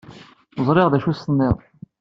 Ẓṛiɣ d acu i s-tenniḍ.